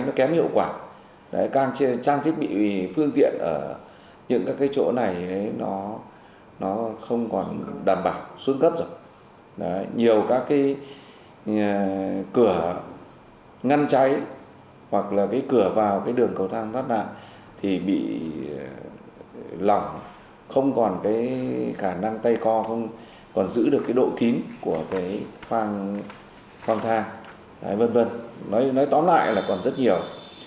nhanh cháy hoặc là cái cửa vào cái đường cầu thang bắt nạn thì bị lỏng không còn cái khả năng tay co không còn giữ được cái độ kín của cái khoang thang nói tóm lại là còn rất nhiều